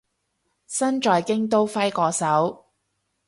身在京都揮個手